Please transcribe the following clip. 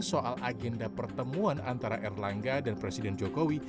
soal agenda pertemuan antara erlangga dan presiden jokowi